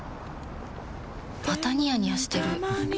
またニヤニヤしてるふふ。